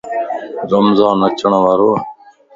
رمضان اچڻ وارو ا